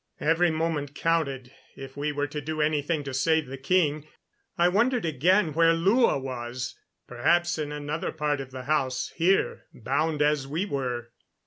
Every moment counted, if we were to do anything to save the king. I wondered again where Lua was perhaps in another part of the house here, bound as we were.